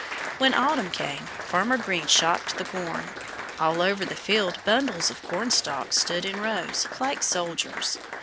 When autumn came Farmer Green shocked the corn. All over the field bundles of cornstalks stood in rows, like soldiers.